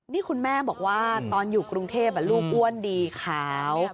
นี่คุณแม่บอกว่าตอนอยู่กรุงเทพลูกอ้วนดีขาว